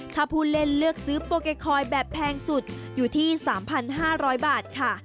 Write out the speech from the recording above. ถ้าผู้เล่นเลือกซื้อโปเกคอยแบบแพงสุดอยู่ที่๓๕๐๐บาทค่ะ